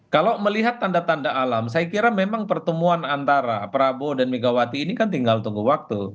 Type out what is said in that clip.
kalau melihat tanda tanda alam saya kira memang pertemuan antara prabowo dan megawati ini kan tinggal tunggu waktu